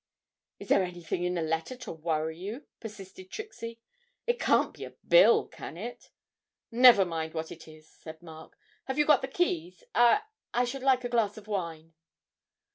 'Is there anything in the letter to worry you?' persisted Trixie. 'It can't be a bill, can it?' 'Never mind what it is,' said Mark; 'have you got the keys? I I should like a glass of wine.'